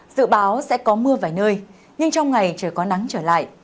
dự báo sẽ có mưa vài nơi nhưng trong ngày trời có nắng trở lại